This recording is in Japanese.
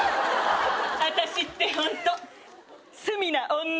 あたしってホント罪な女。